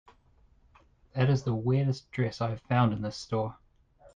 That is the weirdest dress I have found in this store.